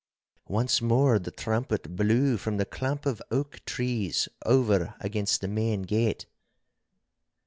Once more the trumpet blew from the clump of oak trees over against the main gate.